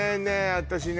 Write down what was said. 私ね